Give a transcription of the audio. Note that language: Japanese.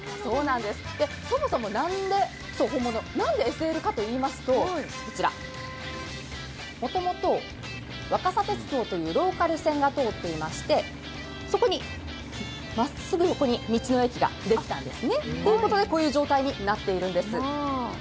そもそもなんでＳＬかといいますと、もともと若桜鉄道というローカル線が通っていましてそこにまっすぐ横に道の駅ができたんですね。ということで、こういう状態になっているんです。